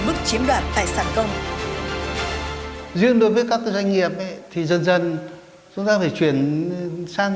mức chiếm đoạt tài sản công riêng đối với các doanh nghiệp thì dần dần chúng ta phải chuyển sang